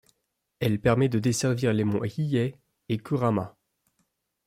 Elle permet de desservir les monts Hiei et Kurama.